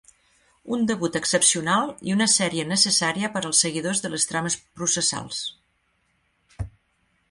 Un debut excepcional i una sèrie necessària per als seguidors de les trames processals.